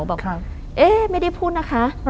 อ๋อบอกเอ๊ไม่ได้พูดนะคะ